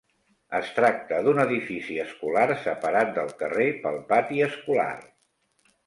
Es tracta d'un edifici escolar separat del carrer pel pati escolar.